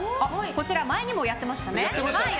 こちら、前にもやってましたね。